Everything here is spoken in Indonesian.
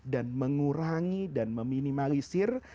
dan mengurangi dan meminimalisir